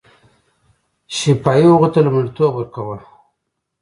شفاهي هغو ته لومړیتوب ورکاوه.